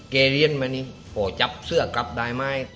เกเหรียญไหมนี่เขาจับเสื้อกลับได้มั้ย